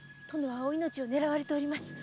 殿はお命を狙われております。